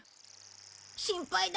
心配だ。